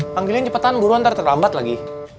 panggilin cepetan buruan ntar terlambat lagi